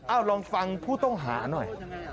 เอาลองฟังผู้ต้องหาหน่อย